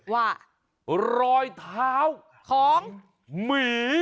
ว่ารอยเท้าของหมี